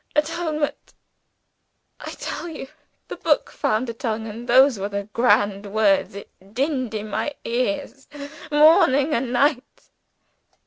Atonement! I tell you the book found a tongue and those were the grand words it dinned in my ears, morning and night."